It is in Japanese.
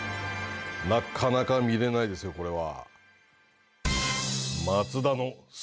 なかなか見れないですよこれは。